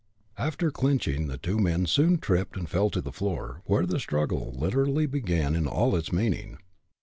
After clinching the two men soon tripped and fell to the floor, where the struggle literally began in all its meaning.